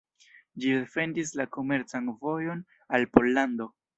Ĝi defendis la komercan vojon al Pollando.